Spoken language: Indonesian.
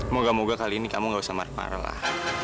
moga moga kali ini kamu gak usah marah marah lah